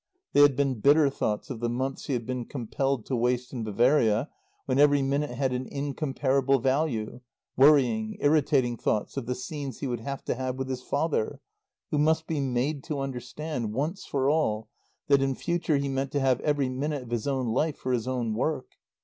They had been bitter thoughts of the months he had been compelled to waste in Bavaria when every minute had an incomparable value; worrying, irritating thoughts of the scenes he would have to have with his father, who must be made to understand, once for all, that in future he meant to have every minute of his own life for his own work.